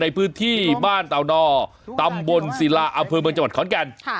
ในพื้นที่บ้านเตานอตำบลศิลาอำเภอเมืองจังหวัดขอนแก่น